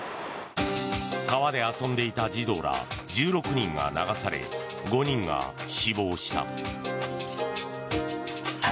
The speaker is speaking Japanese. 川で遊んでいた児童ら１６人が流され５人が死亡した。